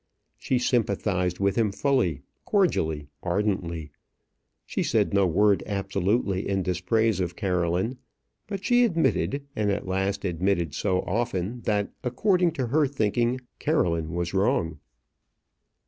She sympathized with him fully, cordially, ardently. She said no word absolutely in dispraise of Caroline; but she admitted, and at last admitted so often, that, according to her thinking, Caroline was wrong.